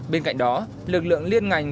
bên cạnh đó lực lượng liên ngành